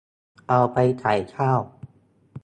เอาไปใส่ข้าว